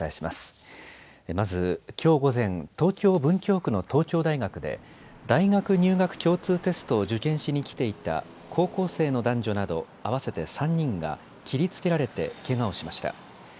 まずきょう午前、東京文京区の東京大学で大学入学共通テストを受験しに来ていた高校生の男女など合わせて３人が切りつけられてけがをしました。